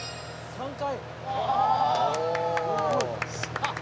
３回